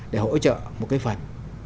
để hỗ trợ một cái phần